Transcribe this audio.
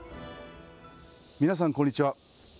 皆さん、こんにちは。